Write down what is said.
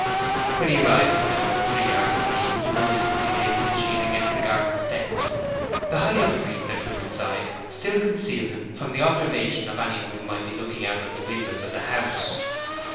When he arrived within about three yards of the gate he noiselessly laid his machine against the garden fence. The high evergreens that grew inside still concealed him from the observation of anyone who might be looking out of the windows of the house.